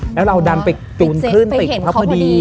แล้วเราดำไปจูนติกเขาพอดี